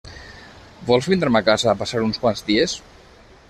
Vols vindre a ma casa a passar uns quants dies?